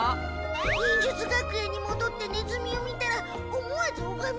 忍術学園にもどってネズミを見たら思わずおがみそう。